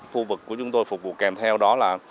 khu vực của chúng tôi phục vụ kèm theo đó là